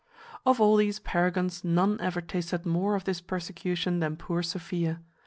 Of all these paragons none ever tasted more of this persecution than poor Sophia.